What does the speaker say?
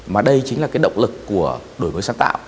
mà đây chính là cái động lực của đổi mới sáng tạo